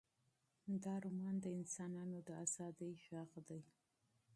دا رومان د انسانانو د ازادۍ غږ دی.